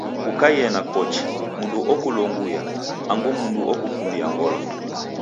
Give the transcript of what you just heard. Kukaie na kochi, mndu okulonguya, angu mndu okukumbia ngolo.